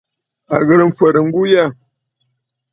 À ghɨ̀rə mfwɛ̀rə ŋgu yâ.